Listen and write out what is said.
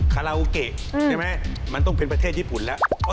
คาราโอเกะใช่ไหมมันต้องเป็นประเทศญี่ปุ่นแล้ว